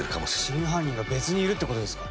真犯人が別にいるってことですか？